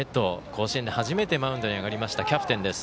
甲子園で初めてマウンドに上がりましたキャプテンです。